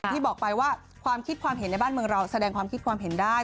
ที่บอกไปว่าความคิดความเห็นในบ้านเมืองเราแสดงความคิดความเห็นได้